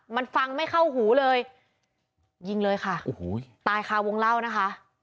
มันฟังไม่เข้าหูเลยยิงเลยค่ะโอ้โหตายคาวงเล่านะคะ